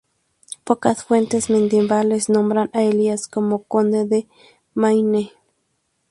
Pocas fuentes medievales nombran a Elías como conde de Maine.